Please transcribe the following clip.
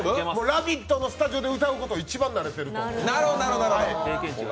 「ラヴィット！」のスタジオで歌うことに一番慣れていると。